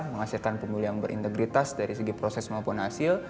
menghasilkan pemilu yang berintegritas dari segi proses maupun hasil